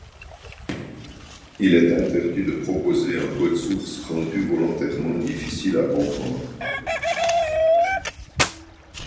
Il est interdit de proposer un code source rendu volontairement difficile à comprendre.